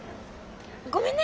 ごめんね。